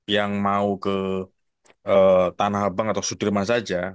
yang mau ke tanah abang atau sudirman saja